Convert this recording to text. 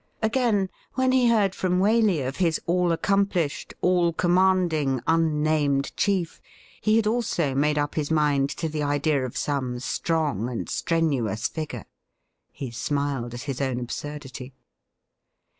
Again, when he heard from Waley of his all accomplished, all commanding, unnamed chief, he had also made up his mind to the idea of some strong and strenuous figure. He smiled at his own absurdity.